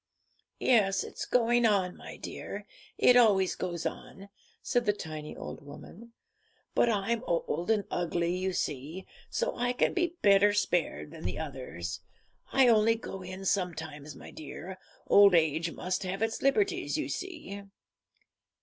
'Yes, it's going on, my dear; it always goes on,' said the tiny old woman; but I'm old and ugly, you see, so I can be better spared than the others. I only go in sometimes, my dear; old age must have its liberties, you see.'